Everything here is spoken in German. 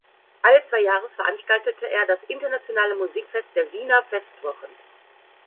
Alle zwei Jahre veranstaltete er das "Internationale Musikfest der Wiener Festwochen".